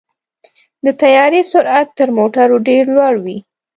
د طیارې سرعت تر موټرو ډېر لوړ وي.